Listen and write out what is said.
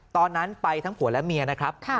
ตอนนั้นไปทั้งผัวและเมียนะครับ